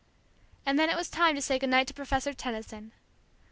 And then it was time to say good night to Professor Tenison.